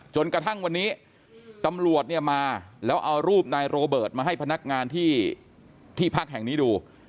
จนกระทั่งวันนี้ตำรวจเนี่ยมาแล้วเอารูปนายโรเบิร์ตมาให้พนักงานที่พักแห่งนี้ดู